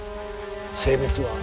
性別は？